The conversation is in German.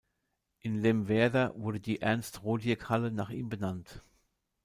In Lemwerder wurde die "Ernst-Rodiek-Halle" nach ihm benannt.